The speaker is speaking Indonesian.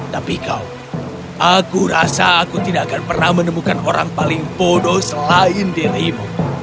tapi kau aku rasa aku tidak akan pernah menemukan orang paling bodoh selain dirimu